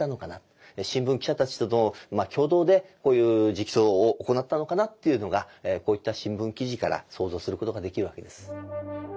新聞記者たちとの共同でこういう直訴を行ったのかなっていうのがこういった新聞記事から想像することができるわけです。